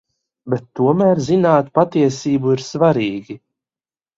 Bet tomēr zināt patiesību ir svarīgi.